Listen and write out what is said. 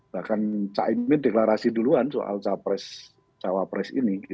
bahkan cak imin deklarasi duluan soal cawapres ini